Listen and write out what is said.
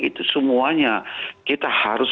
itu semuanya kita harus